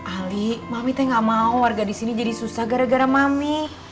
ali mami saya gak mau warga di sini jadi susah gara gara mami